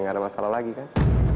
gak ada masalah lagi kan